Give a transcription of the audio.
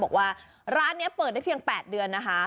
บอกว่าร้านนี้เปิดได้เพียง๘เดือนนะคะ